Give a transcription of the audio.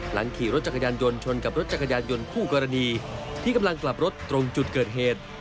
หลังขี่รถจักรยานยนต์ชนกับรถจักรยานยนต์คู่กรณีที่กำลังกลับรถตรงจุดเกิดเหตุ